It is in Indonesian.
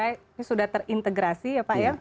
ini sudah terintegrasi ya pak ya